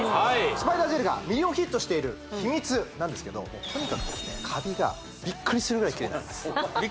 スパイダージェルがミリオンヒットしている秘密なんですけどとにかくですねカビがビックリするぐらいキレイになるんです